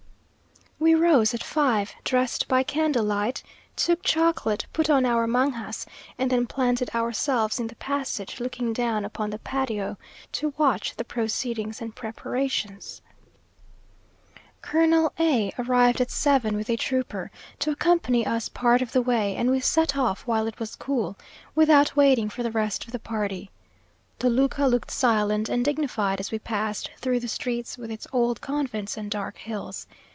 We rose at five, dressed by candlelight, took chocolate, put on our mangas, and then planted ourselves in the passage looking down upon the patio, to watch the proceedings and preparations. Colonel A arrived at seven with a trooper, to accompany us part of the way; and we set off while it was cool, without waiting for the rest of the party. Toluca looked silent and dignified as we passed through the streets with its old convents and dark hills.